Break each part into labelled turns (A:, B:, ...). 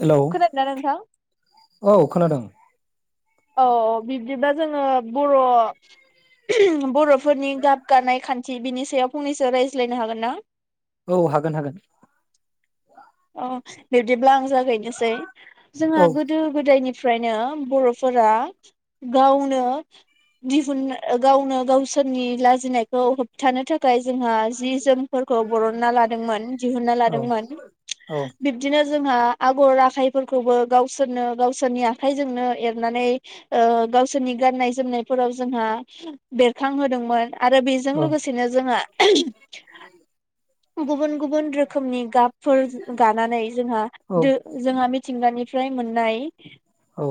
A: Hello!
B: खोनादोंना नोंथां
A: औ खोनादों।
B: औ बिब्दिबा जोङो बर' बर'फोरनि गाब गानाय खान्थि बिनि सायाव फंनैसो रायज्लायनो हागोन ना?
A: औ हागोन हागोन।
B: अ बिब्दिब्ला आं जागायनोसै। जोंहा
A: औ
B: गोदो गोदायनि निफ्रायनो बर'फोरा गावनो दिहुन गावनो गावसोरनि लाजिनायखौ होबथानो थाखाय जोंहा जि जोमफोरखौ बरनना लादोंमोन, दिहुनना
A: औ
B: लादोंमोन।
A: औ
B: बिबदिनो जोंहा आगर आखाइफोरखौबो गावसोरनो गावसोरनि आखाइजोंनो एरनानै ओ गावसोरनि गाननाय जोमनायफोराव जोंहा बेरखांहोदोंमोन। आरो बेजों
A: औ
B: लोगोसेनो जोङो गुबुन गुबुन रोखोमनि गाबफोर गानानै जोंहा
A: औ
B: दो जोंहा मि थिंगानिफ्राय मोननाय
A: औ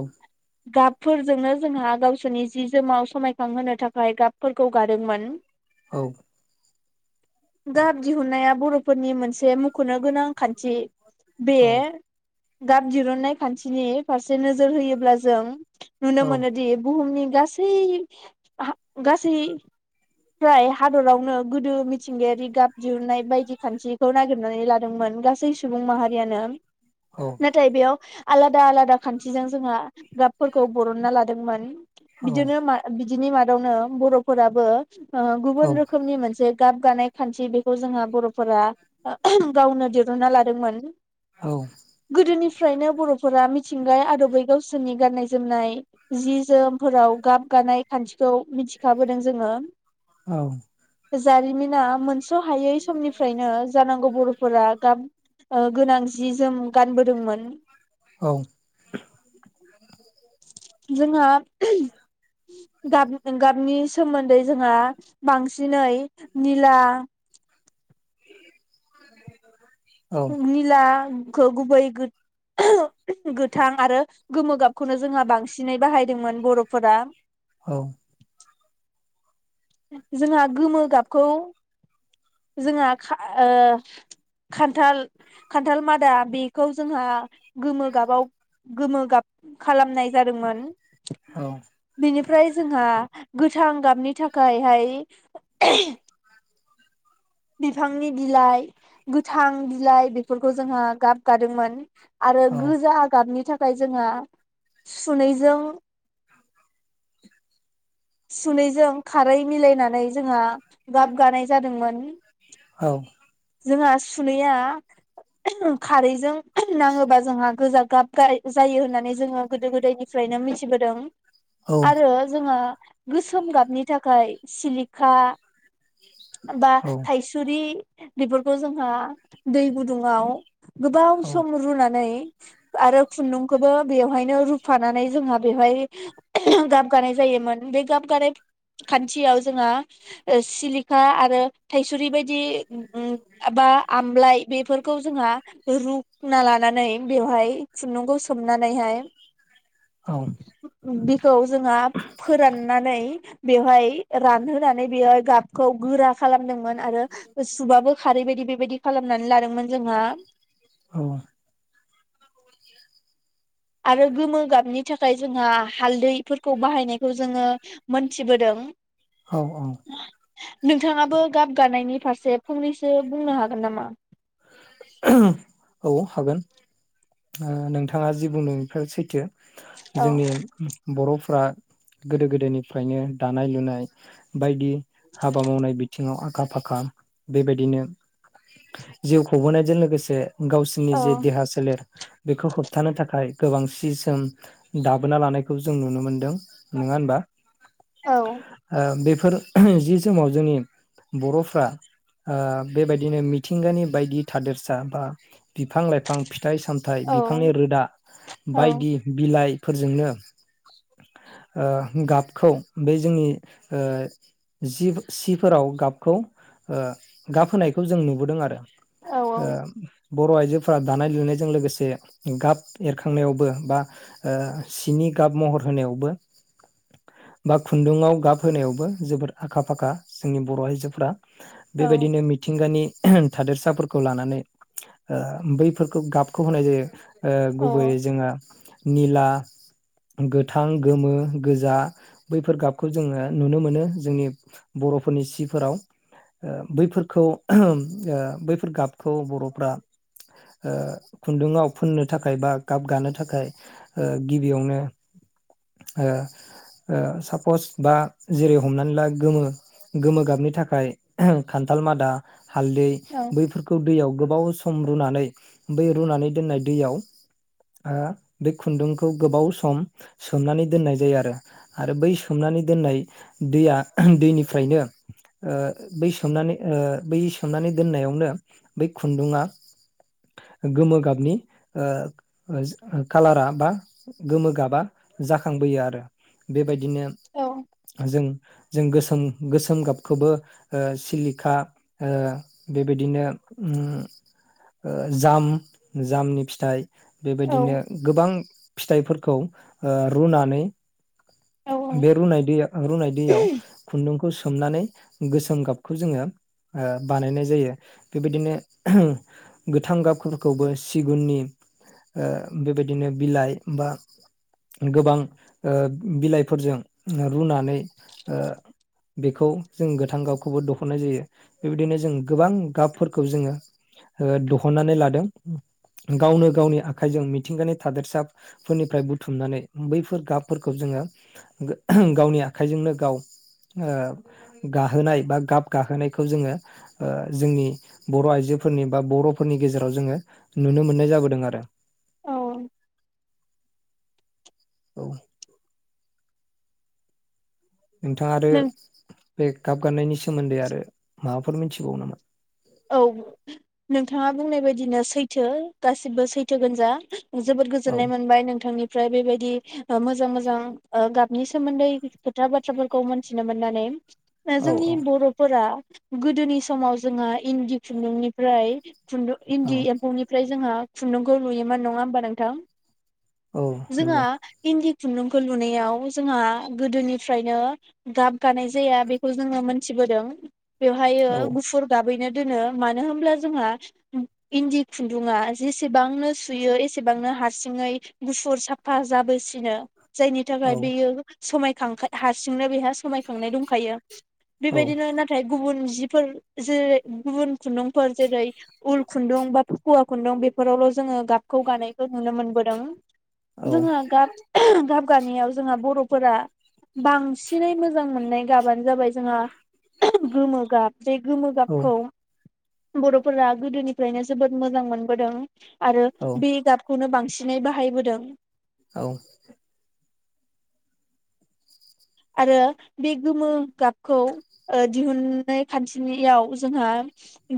B: गाबफोरजोंनो जोंहा गावसोरनि जि जोमाव समायखांहोनो थाखाय गाबफोरखौ गादोंमोन
A: औ
B: गाब दिहुननाया बर'फोरनि मोनसे मुंख'नो गो खानथि बे
A: औ
B: गाब दिरुननाय खान्थिनि फारसे नोजोर होयोब्ला जों नुनो
A: औ औ
B: मोनोदि बुहुमनि गासै गासै फ्राय हादरावनो गोदो मिथिंगायारि गाब दिहुननाय बायदि खान्थिखौ नागिरनानै लादोंमोन गासै सुबुं माहारियानो नाथाय बेयाव आलादा आलादा खान्थिजों जोंहा गाबफोरखौ बरनना लादोंमोन बिदिनो मा बि बिनि मादावनो बर'फोराबो ओ गुबुन रोखोमनि मोनसे गाब गानाय खान्थि बेखौ जोंहा बर'फोरा गावनो दुना लादोंमोन
A: औ
B: फ्रायनो बर'फोरा मिथिंगा आदबै गावसोरनि गाननाय जोमनाय जि जोमफोराव गाब गानाय खान्थिखौ मिथिखाबोदों जोङो
A: औ
B: जारिमिना मोनस सहायै समनिफ्रायनो जानांगौ बर'फोरा गाब ओ गोनां जि जोम गानबोदोंमोन
A: औ
B: जोंहा गाब गाबनि सोमोन्दै जोंहा बांसिनै। निला।
A: [inaudible]
B: निला। खौ गुबै गोथां आरो गोमो गाबखौनो जोंहा बांसिनै बाहायदोंमोन बर'फोरा।
A: औ।
B: जोंहा गोमो गाबखौ। जोंहा खान्थाल खान्थाल मादा बेखौ जोंहा गोमो गाबाव गोमो गाब खालामनाय जादोंमोन।
A: औ।
B: फ्राय जोंहा गोथां गाबनि थाखायहाय। बिफांनि बिलाइ गोथां बिलाइ बेफोरखौ जोंहा गाब गादोंमोन। आरो
A: औ
B: गोजा गाबनि थाखाय। ओमफ्राय जोंहा सुनैजों। सुनैजों खारै मिलायनानै जोंहा गाब गानाय जादोंमोन।
A: औ।
B: जोंहा सुनैया खारैजों नाङोबा जोंहा गोजा गाब जायो होननानै जोङो गोदो गोदायनिफ्रायनो मिथिबोदों। आरो जोंहा। गोसोम गाबनि थाखाय सिलिखा। बा थाइसुरि। बेफोरखौ जोंहा दै गुदुङाव। गोबाव सम रुनानै। आरो खुन्दुंखौबो बेवहायनो रुफानानै जोंहा बेवहाय गाबगानाय जायोमोन बे गाबगानाय खान्थियाव जोंहा सिलिखा आरो थायसुरि बायदि बा खुना लानानै बेवहाय खुन्दुंखौ सोमनानैहाय [inaudible] बे। खौ जोहा फोराननानै बेवहाय रानहोनानै बेवहाय गाबखौ गोरा खालामदोंमोन आरो। सुबाबो खारै बायदि बेबायदि खालामनानै लादोंमोन जोंहा।
A: औ
B: आरो गोमो गाबनि थाखाय जोंहा हालदैफोरखौ बाहायनायखौ जोङो मोनथिबोदों।
A: औ औ।
B: नोंथाङाबो गाब गानायनि फारसे फंनैसो बुंनो हागोन नामा।
A: औ हागोन। नोंथाङा जि बुंदों बेफोर सैथो।
B: औ
A: जोंनि बर'फ्रा। गोदो गोदायनिफ्रायनो दानाय लुनाय बायदि। हाबा मावनाय बिथिङाव आ। आखा फाखा बेबायदिनो जिउ गबोनायजों लोगोसे गावसिनि
B: औ
A: जे देहा सोलेर बेखौ होबथानो थाखाय गोबां सि जोम दाबोना लानायखौ जों नुनो मोनदों नोंङा होनबा?
B: औ
A: ओ बे फोर जि समाव जोंनि बरफ्रा आ बेबायदिनो मिथिंगानि बायदि थादेरसा बा बिफां लाइफां फि थाइ सामथाइ
B: औ
A: बिफांनि रोदा
B: औ
A: बायदि बिलाइ फोरजोंनो ओ गाबखौ बे जोंनि ओ जि सिफोराव गाबखौ ओ गाब होनायखौ जों नुबोदों आरो
B: औ
A: ओ बर आइजोफोरा दानाय लुनायजों लोगोसे गाब एरखांनायावबो बा ओ सिनि गाब महर होनायावबो बा खुन्दुंङाव गाब होनायावबो जोबोर आखा फाखा जोंनि बर' आइजोफ्रा
B: औ
A: बेबायदिनो मिथिंगानि थादेरसाफोर खौ लानानै ओ बैफोरखौ गाबखौ होनाय जायो ओ गुबैयै जोङा निला गोथां गोमो गोजा बैफोर गाबखौ जोङो नुनो मोनो जोंनि बरफोरनि सिफोराव ओ बैफोरखौ ओ बै फोर गाबखौ बरफ्रा ओ खुन्दुंङाव फुननो थाखाय बा गाब गानो थाखाय ओ गिबियावनो ओ ओ सापस बा जेरै हमनानै ला गोमो गोमो गाबनि थाखाय खान्थाल मादा हालदै
B: औ
A: बैफोरखौ दैयाव गोबाव स सम रुनानै बै रुनानै दोननाय दैयाव आ बे खुन्दुंखौ गोबाव सम सोमनानै दोननाय जायो आरो आरो बै सोमनानै दोननाय दैया दैनिफ्रायनो ओ बै सोमनानै ओ बै सोमनानै दोननायाव नो बै खुन्दुंया गोमो गाबनि ओ ओ ओ खालारा बा गोमो गाबा जाखां बोयो आरो बेबाय दिनो जों जों गोसोम गोसोम गाबखौबो ओ सिलिखा ओ बेबायदिनो उम ओ जाम जामनि फिथाइ
B: औ
A: बेबायदिनो गोबां फिथाइफोरखौ ओ रुनानै
B: औ
A: बे रुनाय दैया रुनाय दैयाव खुन्दुं खौ सोमनानै गोसोम गाबखौ ओ जोङो बानायनाय जायो बेबायदिनो गोथां गाबफोरखौबो सिगुननि ओ बेबायदिनो बिलाइ बा गोबां ओ बिलाइ फोरजों ओ रुनानै ओ बेखौ जों गोथां गाबखौबो दहननाय जायो बेबायदिनो जों गोबां गाबफोरखौ जोङो ओ दहननानै लादों गावनो गावनि आखाइजों मिथिंगानि थादेरसाफोरनिफ्राय बुथुमनानै बैफोर गाबफोरखौ जोङो गो गावनि आखाइजोंनो गाव ओ गाहोनाय बा गाब गाहोनायखौ जोंङो ओ जोंनि बर आइजोफोरनि बा बरफोरनि गेजेराव जोङो नुनो मोननाय जाबोदों आरो
B: औ
A: औ नोंथाङा आरो
B: नों
A: बे गाब [unintelligible] सोमोन्दै आरो माबाफोर मिथिबावो नामा?
B: औ नोंथाङा बुंनाय बायदिनो सैथो गासिबो सैथोगोनजा जोबोद
A: औ
B: गोजोन्नाय मोनबाय नोंथांनि ओमफ्राय बेबायदि ओ मोजां मोजां ओ गाबनि सोमोन्दै खोथा बाथ्राफोरखौ मिथिनो मोननानै दा
A: औ औ
B: जोंनि बर'फोरा गोदोनि समाव जोंहा इन्दि खुन्दुंनिफ्राय खुन्दुं
A: औ
B: इन्दि एम्फौनिफ्राय जोंङो खुन्दुंखौ लुयोमोन नङा होमबा नोंथां?
A: औ
B: जोंहा
A: नंगौ
B: इन्दि खुन्दुंखौ लुनायाव जोंहा गोदोनिफ्रायनो गाब गानाय जाया बेखौ जोङो मोनथिबोदों। बेवहायो
A: औ
B: गुफुर गाब बैनो दोनो मानो होमब्ला जोंहा इन्दि खुन्दुङा जेसेबांनो सुयो एसेबांनो हारसिङै गुफुर साफा जाबोसिनो। जायनि थाखाय
A: औ
B: बेयो समायखांखाय हारसिंनो बेहा समायखांनाय दंखायो।
A: औ
B: बेबायदिनो नाथाय गुबुन जिफोर जेरै गुबुन खुन्दुंफोर जेरै उल खुन्दुं बा फखुवा खुन्दुं बेफोरावल' जोङो गाबखौ गानायखौ नुनो मोनबोदों। जोहा गाब गाब गानायाव जोंहा बर'फोरा बांसिनै मोजां मोननाय गाबानो जाबाय जोंहा गोमो गाब बे गोमो
A: औ
B: खौ बर'फोरा गोदोनिफ्रायनो जोबोद मोजां मोनबोदों आरो
A: औ
B: बे गाब खौनो बांसिनै बाहायबोदों।
A: औ।
B: आरो बे गोमो गाबखौ ओ दिहुननाय खान्थिनियाव जोंहा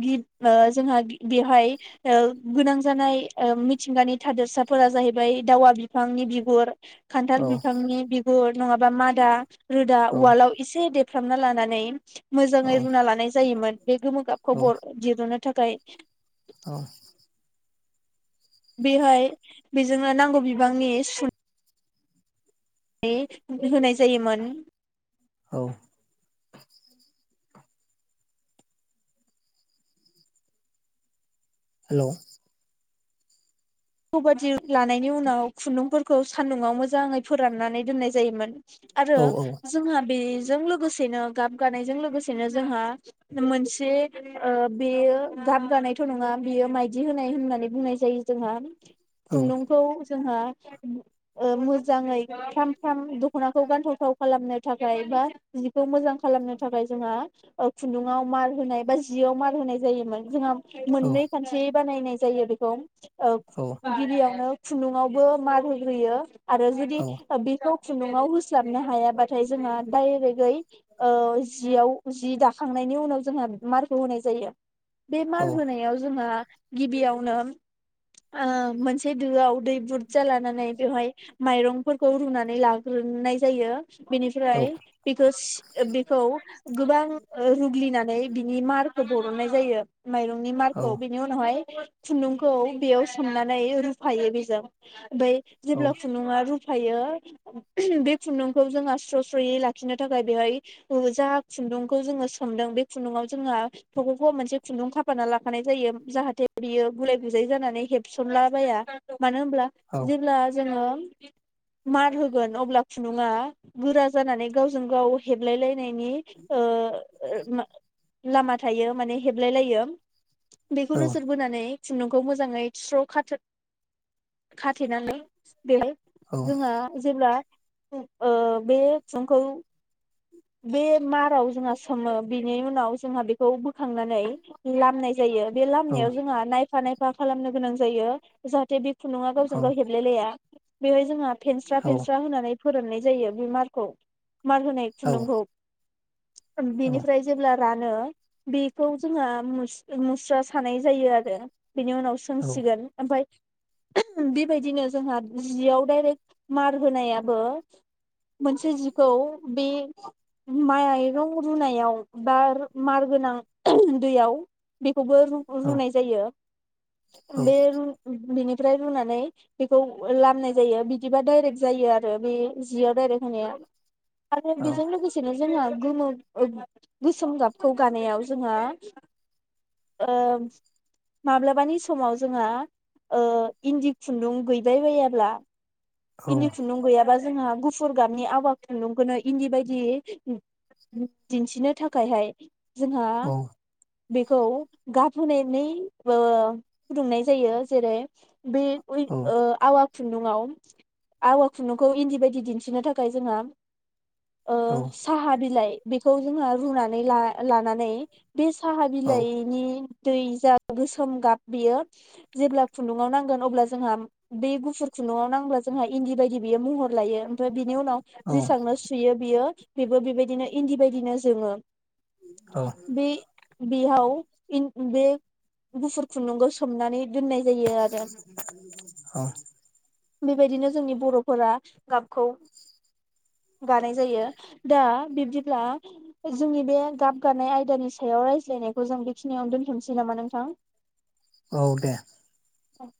B: गिब ओ जोंहा बेवहाय ओ गोनां जानाय ओ मिथिंगानि थादोरसाफोरा जाहैबाय दावा बिफांनि बिगुर खान्थाल बिफांनि बि गुर नङाबा मादा रोदा उवालाव एसे दे फ्रामना लानानै
A: औ
B: मोजाङै रुना लानाय जायोमोन बे गोमो गाबखौ
A: औ
B: बर' दिरुनो थाखाय।
A: औ।
B: बेहाय बेजोंनो नांगौ बिबांनि सु नै होनाय जायोमोन।
A: औ। हेल'।
B: [unintelligible] लानायनि उनाव खुन्दुंफोरखौ सान्दुंङाव मोजाङै फोराननानै दोननाय जायोमोन आरो
A: औ औ
B: जोंहा बे जों लोगोसेनो गाब गानायजों लोगोसेनो जोंहा मोनसे ओ बेयो गाब गानायथ' नङा बेयो माइदि होनाय होननानै बुंनाय जायो जोंहा
A: औ
B: खुन्दुंखौ जोंहा मोजाङै थाम थाम दख'नाखौ गानथावथाव खालामनो थाखाय बा जिखौ मोजां खालामनो थाखाय जोंहा ओ खुन्दुाव मार होनाय बा जियाव मार होनाय जायोमोन जोंहा
A: औ
B: मोननै खानसे बानायनाय जायो बेखौ ओ
A: औ
B: गिबियावनो खुन्दुंङावबो मार होग्रोयो। आरो जुदि
A: औ
B: बेखौ खुन्दुंआव होस्लाबनो हायाबा [unintelligible] जोंहा दायरेकहै ओ जियाव जि दाखांनायनि उनाव जोंहा मारखौ होनाय जायो। बे मार
A: औ
B: होनोनायाव जोंहा गिबियावनो ओ मोनसे दोआव दै बुरजा लानानै बेवहाय माइरंफोरखौ रुनानै लाग्रोनाय जायो
A: औ
B: बेनिफ्राय बेखौ बेखौ गोबां रुग्लिनानै बिनि मारखौ बरननाय जायो। माइरंनि
A: औ
B: मारखौ बिनि उनावहाय खुन्दुंखौ बेयाव थुननानै रुफायो बेजों ओमफ्राय
A: औ
B: जेब्ला खुन्दुङा रु थायो बे खुन्दुंखौ जोंहा स्र स्रहै लाखिनो थाखाय बेहाय जा खुन्दुंखौ जोंओ सोमदोन बे खुन्दुंआव जोंहा थखख मोनसे खुन्दुं खाफाना लानाय जायो जाहाथे बेयो गुलाय गुजाय जानानै हेब सोमलाबाया मानो होमब्ला
A: औ
B: जेब्ला जोङो मार होगोन अब्ला खुन्दुङा गोरा जानानै गावजों गाव हेबलायलाय नायनि ओ लामा थायो माने हेबलाय लायो बेखौ नोजोर बोनानै खुन्दुंखौ मोजाङै स्र' खाथोब खाथेनानै बेहाय
A: औ
B: जोंहा जेब्ला ओ बे खुन्दुंखौ बे माराव जोंहा सोमो बेनि उनाव जोंहा बेखौ बोखांनानै लामनाय जायो बे लामायाव जोंहा नाय फा नायफा खालामनो गोनां जायो जाहाथे बे खुन्दुंआ
A: औ
B: गावजों गाव हेबलायलाया बेवहाय जोंहा फेनस्रा फेनस्रा होनानै फोराननाय जायो बे मारखौ मार
A: औ
B: खुन्दुंखौ बिनिफ्राय जेब्ला रानो बेखौ जोंहा मुस मुस्रा सानाय जायो आरो बिनि उनाव सोंसिगोन ओमफाय बेबायदिनो जोंहा जियाव डायरेक्ट मार होनायाबो मोनसे जिखौ बे माइरं रुनायाव बा मार गोनां दैयाव बे खौबो रुनाय जायो बे रु बिनि फ्राय रुनानै बेखौ लामनाय जायो बिदिबा डाइरेक्ट जायो आरो बे जियाव दडायरेक्ट होनाया बिजों लोगोसेनो जोङो गोमो गोसोम गाबखौ गानायाव जोंहा ओ माब्लाबानि समाव जोंहा ओ इन्दि खुन्दुं गैबाय बायाब्ला इन्दि खुन्दुं गैयाबा जोंहा गुफुर गाबनि आवा खुन्दुंखौनो इन्दि बायदि दिन्थिनो थाखायहाय जोंहा बेखौ गाबहोनायानै ओ फुदुंनाय जायो जेरै बे
A: औ
B: उइ ओ आवा खुन्दुंआव आवा खुन्दुंखौ इन्दि बायदि दिन्थिनो थाखाय जोंहा ओ साहा बिलाइ बेखौ जोङो रुनानै नै ला-लानानै बे साहा बिलाइनि दै जा गोसोम गाब बेयो जेब्ला खुन्दुंआव नांगोन अब्ला जोंहा बे गुफुर खुन्दुंआव नांब्ला जोंहा इन्दि बायदि बियो महर लायो ओमफ्राय बि नि उनाव जिसांनो सुयो बियो बेबो बेबायदिनो इन्दि बायदिनो जोङो बि बिहाव बे गुफुर खुन्दुंखौ सोमनानै दोननाय जायो आरो
A: अ
B: बेबायदिनो जोंनि बर'फोरा गाबखौ गानाय जायो दा बिब्दिब्ला जोंनि बे गाब गानाय आयदानि सायाव रायज्लायनायखौ जों बेखिनियावनो दोनथ'सै नामा नोंथां?
A: औ दे।
B: अ [unintelligible]